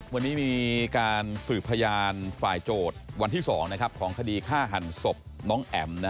วันนี้มีการสืบพยานฝ่ายโจทย์วันที่๒ของคดีฆ่าหันศพน้องแอ๋ม